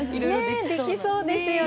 できそうですよね。